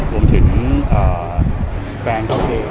รวมถึงแฟนเขาเอง